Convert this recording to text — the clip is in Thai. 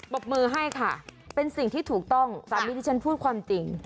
บมือให้ค่ะเป็นสิ่งที่ถูกต้องสามีที่ฉันพูดความจริง